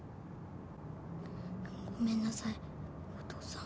ごめんなさいお父さん。